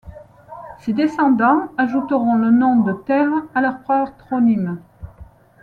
Ses descendants ajouteront le nom de terre à leur patronyme.